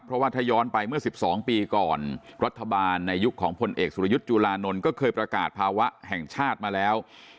เพราะว่าถ้าย้อนไปเมื่อ๑๒ปีก่อนรัฐบาลในยุคของพลเอกสุรยุทธ์จุลานนท์ก็เคยประกาศภาวะแห่งชาติมาแล้ว